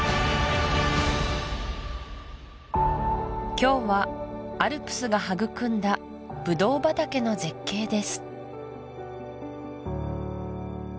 今日はアルプスが育んだブドウ畑の絶景です